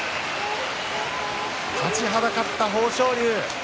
立ちはだかった豊昇龍。